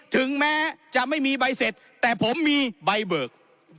ถึงแม้จะไม่มีใบเสร็จแต่ผมมีใบเบิก